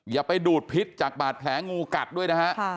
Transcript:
อย่าไปดูดพิษจากบาดแผลงูกัดด้วยนะฮะ